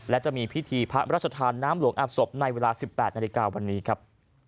และจะมีพิธีพระราชทานน้ำหลวงอาบศพในเวลา๑๘นาฬิกาวันนี้ครับ